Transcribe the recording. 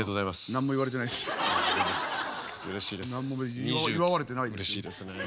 何も祝われてないですけど。